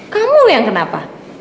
kamu yang kenapa